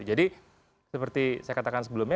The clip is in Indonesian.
jadi seperti saya katakan sebelumnya